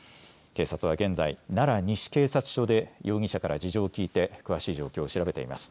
警察は現在、奈良西警察署で容疑者から事情を聴いて詳しい状況を調べています。